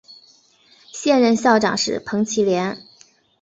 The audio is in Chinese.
现任校长是彭绮莲。